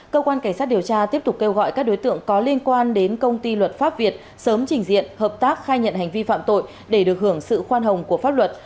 cơ quan cảnh sát điều tra tiếp tục kêu gọi các đối tượng có liên quan đến công ty luật pháp việt sớm trình diện hợp tác khai nhận hành vi phạm tội để được hưởng sự khoan hồng của pháp luật